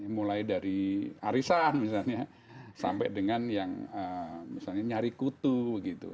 mulai dari arisan misalnya sampai dengan yang misalnya nyari kutu gitu